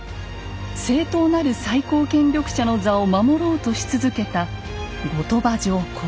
正統なる最高権力者の座を守ろうとし続けた後鳥羽上皇。